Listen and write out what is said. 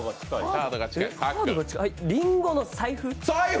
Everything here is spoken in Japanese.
りんごの財布？